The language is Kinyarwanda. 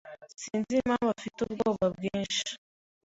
Sinzi impamvu afite ubwoba bwinshi.